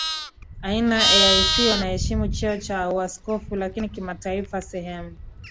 aina ya A I C wanaheshimu cheo cha Uaskofu Lakini kimataifa sehemu